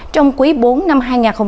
trong quý bốn năm hai nghìn hai mươi ba